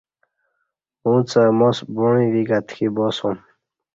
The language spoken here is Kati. اُݩڅ اہ ماس بوعی ویک اتکی باسوم